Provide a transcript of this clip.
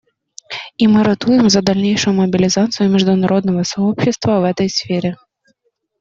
И мы ратуем за дальнейшую мобилизацию международного сообщества в этой сфере.